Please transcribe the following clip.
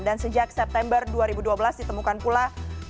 dan sejak september dua ribu dua belas ditemukan pula